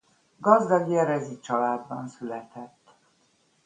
Gazdag jerezi családban született.